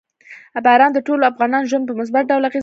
باران د ټولو افغانانو ژوند په مثبت ډول اغېزمنوي.